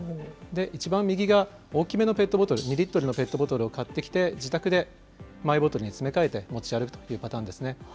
一番右が大きめのペットボトル、２リットルのペットボトルを買ってきて自宅でマイボトルに詰め替えて持ち歩くというパターンですね。